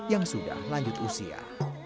yang sudah lanjut usia